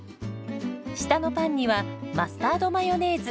下のパンにはマスタードマヨネーズ。